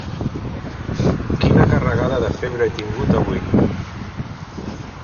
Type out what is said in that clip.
Quina carregada de febre he tingut, avui!